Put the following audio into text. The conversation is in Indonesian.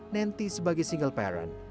nenty sebagai single parent